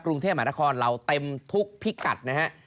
กรุงเทพมหานครเราเต็มทุกพิกัดนะฮะ